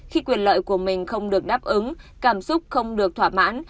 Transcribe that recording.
khi quyền lợi của mình không được đáp ứng cảm xúc không được thỏa mãn